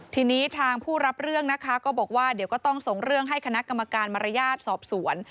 ทีนี้ทางผู้รับเรื่องนะคะก็บอกว่าเดี๋ยวก็ต้องส่งเรื่องให้คณะกรรมการมารยาทสอบสวน